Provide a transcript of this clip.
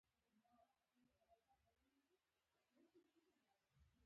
پلی د بدن زوړ وینه پاکوي